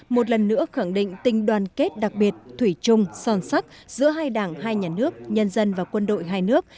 một lần nữa khẳng định tình đoàn kết đặc biệt thủy chung son sắc giữa hai đảng hai nhà nước nhân dân và quân đội hai nước